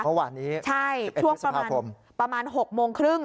เพราะวันนี้๑๑พฤษภาคมใช่ช่วงประมาณ๖โมงครึ่ง